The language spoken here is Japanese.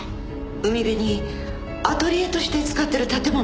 海辺にアトリエとして使っている建物があります。